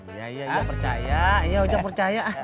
iya iya iya percaya iya ocak percaya